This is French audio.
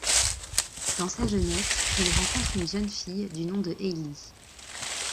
Dans sa jeunesse il rencontre une jeune fille du nom de Eilee.